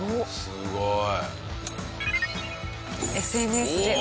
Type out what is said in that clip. すごい！